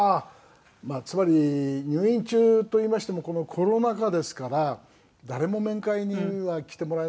「つまり入院中といいましてもこのコロナ禍ですから誰も面会には来てもらえないし」